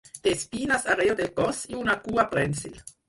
Té espines arreu del cos i una cua prènsil.